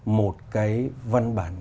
một cái văn bản